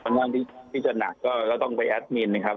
บางอย่างที่ที่จะหนักก็แล้วต้องไปแอดมินนะครับ